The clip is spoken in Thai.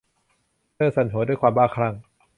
เธอสั่นหัว ด้วยความบ้าคลั่ง